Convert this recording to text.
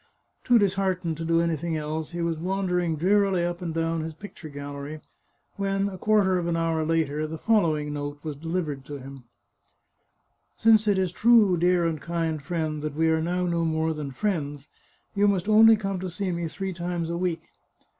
Too disheartened to do anything else, he was wandering drearily up and down his picture gallery, when, a quarter of an hour later, the following note was delivered to him: " Since it is true, dear and kind friend, that we are now no more than friends, you must only come to see me three times a week.